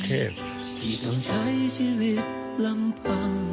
เทพที่ต้องใช้ชีวิตลำพัง